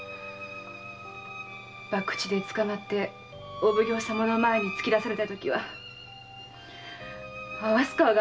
博打で捕まってお奉行様の前に突き出されたときあわす顔がありませんでした。